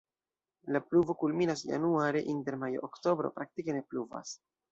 La pluvo kulminas januare, inter majo-oktobro praktike ne pluvas.